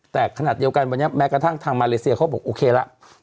แต่ขนาดเดียวกันวันนี้แม้กระทั่งทางมาเลเซียเขาบอกโอเคละ